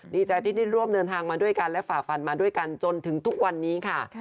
ดีใจที่ได้ร่วมเดินทางมาด้วยกันและฝ่าฟันมาด้วยกันจนถึงทุกวันนี้ค่ะ